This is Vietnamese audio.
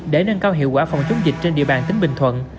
để nâng cao hiệu quả phòng chống dịch trên địa bàn tỉnh bình thuận